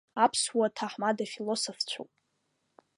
Аԥсуа ҭаҳмадцәа философцәоуп.